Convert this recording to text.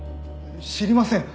知りません。